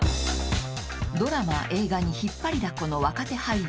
［ドラマ映画に引っ張りだこの若手俳優］